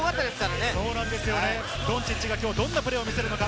ドンチッチが今日どんなプレーを見せるのか。